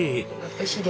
おいしい。